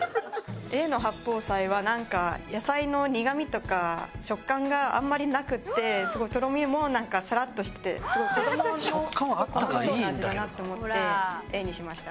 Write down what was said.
Ａの八宝菜はなんか野菜の苦みとか食感があんまりなくてとろみもなんかサラッとしてて子どもも好きそうな味だなと思ってＡにしました。